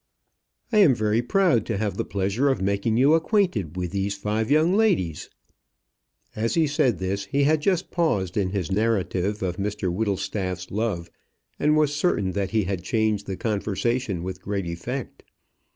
"I am very proud to have the pleasure of making you acquainted with these five young ladies." As he said this he had just paused in his narrative of Mr Whittlestaff's love, and was certain that he had changed the conversation with great effect.